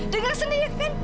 dengan sendiri kan